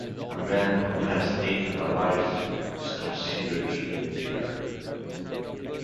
A man who has taken a life is considered to be impure.